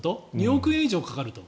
２億円以上かかると。